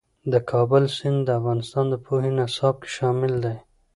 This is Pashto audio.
د کابل سیند د افغانستان د پوهنې نصاب کې شامل دی.